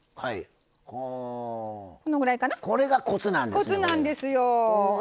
これがコツなんですね。